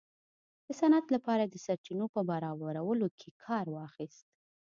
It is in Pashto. د صنعت لپاره د سرچینو په برابرولو کې کار واخیست.